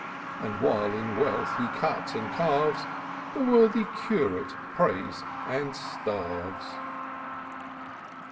And while in wealth he cuts and carves, The worthy Curate prays and starves."